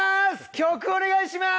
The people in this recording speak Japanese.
曲お願いしまーす！